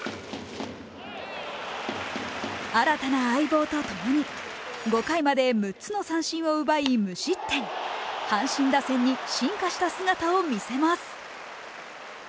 新たな相棒とともに、５回まで６つの三振を奪い無失点、阪神打線に進化した姿を見せます。